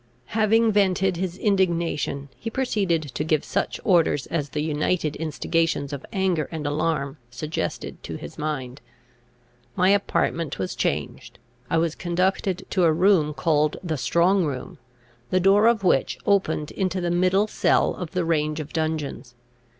Having vented his indignation, he proceeded to give such orders as the united instigations of anger and alarm suggested to his mind. My apartment was changed. I was conducted to a room called the strong room, the door of which opened into the middle cell of the range of dungeons.